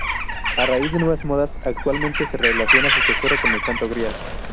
A raíz de nuevas modas, actualmente se relaciona su tesoro con el Santo Grial.